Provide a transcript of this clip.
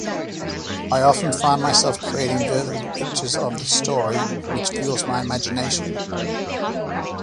I often find myself creating vivid pictures of the story, which fuels my imagination.